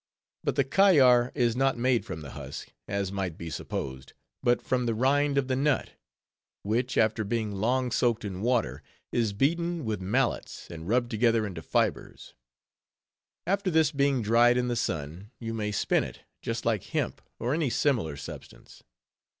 But the kayar is not made from the husk, as might be supposed, but from the rind of the nut; which, after being long soaked in water, is beaten with mallets, and rubbed together into fibers. After this being dried in the sun, you may spin it, just like hemp, or any similar substance.